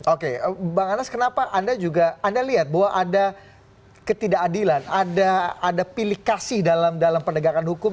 oke bang anas kenapa anda juga anda lihat bahwa ada ketidakadilan ada pilih kasih dalam pendegakan hukum